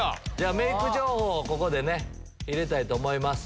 メイク情報をここでね入れたいと思います。